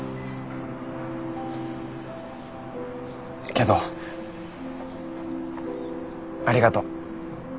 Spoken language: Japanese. けどありがとう。